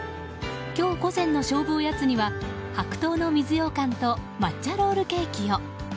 今日午前の勝負おやつには白桃の水羊羹と抹茶ロールケーキを。